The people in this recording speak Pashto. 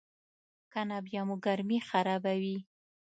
کنه بیا مو ګرمي خرابوي.